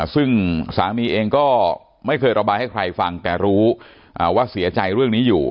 ซึ่งสามีเองก็ไม่เคยระบายให้ใครฟังแต่รู้ว่าเสียใจเรื่องนี้อยู่